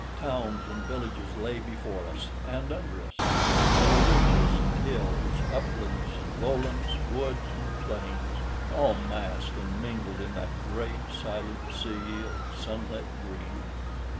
Towns and villages lay before us and under us; there were ridges and hills, uplands and lowlands, woods and plains, all massed and mingled in that great silent sea of sunlit green.